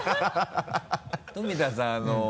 富田さん